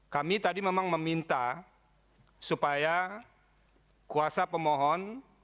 kami tadi memang meminta supaya kuasa pemohon